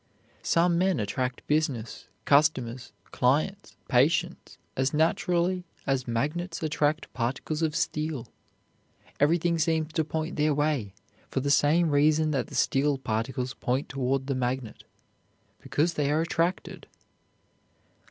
Some men attract business, customers, clients, patients, as naturally as magnets attract particles of steel. Everything seems to point their way, for the same reason that the steel particles point toward the magnet, because they are attracted.